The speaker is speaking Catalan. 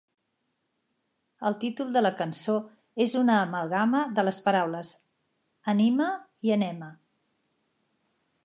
El títol de la cançó és una amalgama de les paraules "Anima" i "Enema".